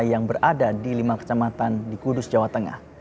yang berada di lima kecamatan di kudus jawa tengah